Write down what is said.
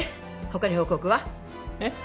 他に報告は？えっ？